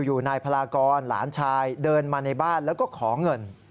นายพลากรหลานชายเดินมาในบ้านแล้วก็ขอเงิน